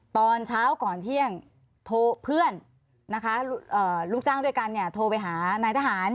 ตอนเช้าก่อนเที่ยงโทรเพื่อนนะคะลูกจ้างด้วยกันเนี่ยโทรไปหานายทหาร